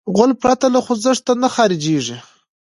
غول پرته له خوځښته نه خارجېږي.